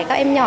các em nhỏ